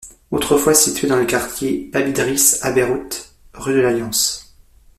Autrefois situé dans le quartier Bab-Idriss à Beyrouth, Rue de l'Alliance.